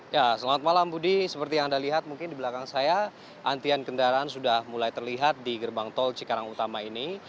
ya selamat malam budi seperti yang anda lihat mungkin di belakang saya antrian kendaraan sudah mulai terlihat di gerbang tol cikarang utama ini